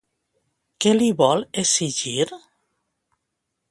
Què li vol exigir?